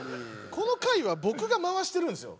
この会は僕が回してるんですよ。